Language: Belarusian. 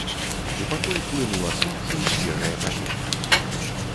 У пакой хлынула сонца і свежае паветра.